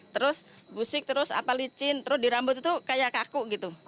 terus busik terus apa licin terus di rambut itu kayak kaku gitu